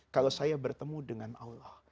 kalau saya bertemu dengan allah